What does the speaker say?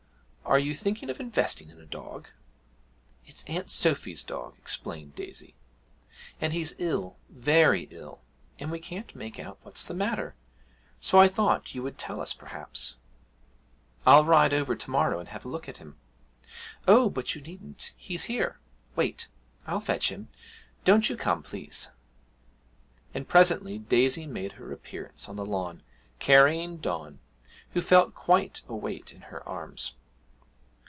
Are you thinking of investing in a dog?' 'It's Aunt Sophy's dog,' explained Daisy, 'and he's ill very ill and we can't make out what's the matter, so I thought you would tell us perhaps?' 'I'll ride over to morrow and have a look at him.' 'Oh, but you needn't he's here. Wait I'll fetch him don't you come, please.' And presently Daisy made her appearance on the lawn, carrying Don, who felt quite a weight, in her arms.